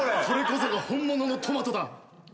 それこそが本物のトマトだ。